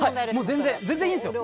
全然いいんですよ